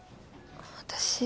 私。